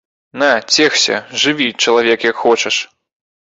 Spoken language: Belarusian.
На, цешся, жыві, чалавек, як хочаш!